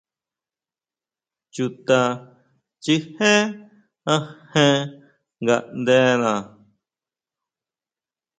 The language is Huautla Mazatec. Chuta chijé ajen ngaʼndena.